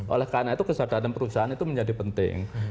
oleh karena itu kesadaran perusahaan itu menjadi penting